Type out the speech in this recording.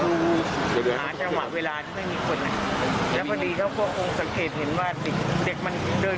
เด็กมันเดินเข้าไปหลังบ้านเข้าหน้าคนเลย